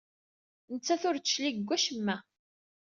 Nettat ur d-teclig seg wacemma.